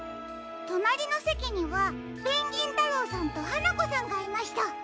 となりのせきにはペンギンたろうさんとはなこさんがいました。